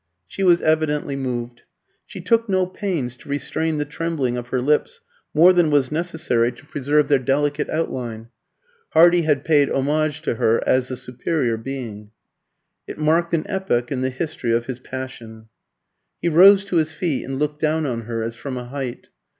She was evidently moved. She took no pains to restrain the trembling of her lips, more than was necessary to preserve their delicate outline. Hardy had paid homage to her as the superior being. It marked an epoch in the history of his passion. He rose to his feet and looked down on her as from a height.